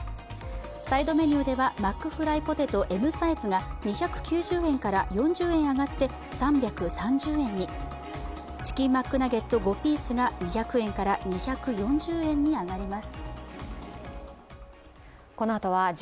サイドメニューではマックフライポテトＭサイズが２９０円から４０円上がった３３０円にチキンマックナゲット５ピースが２００円から２４０円に上がります。